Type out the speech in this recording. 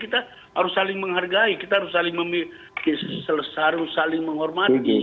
kita harus saling menghargai kita harus saling menghormati